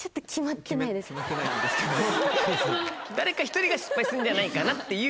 誰か１人が失敗するんじゃないかなっていう。